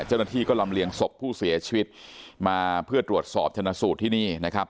เจ้าหน้าที่ก็ลำเลียงศพผู้เสียชีวิตมาเพื่อตรวจสอบชนะสูตรที่นี่นะครับ